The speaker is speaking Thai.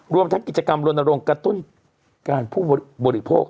รวมทั้งกิจกรรมลนโรงกระตุ้นการผู้บริโภค